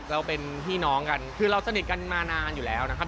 เราเป็นพี่น้องกันคือเราสนิทกันมานานอยู่แล้วนะครับ